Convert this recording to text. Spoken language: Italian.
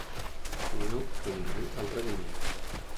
Fino, quindi, al tradimento.